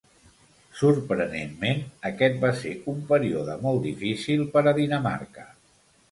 Sorprenentment, aquest va ser un període molt difícil per a Dinamarca.